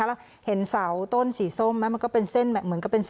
แล้วเห็นเสาต้นสีส้มมันก็เป็นเส้นแบ่งบ้าน